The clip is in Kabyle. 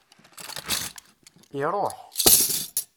Iruḥ.